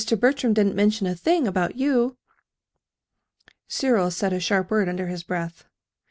Bertram didn't mention a thing about you!" Cyril said a sharp word under his breath.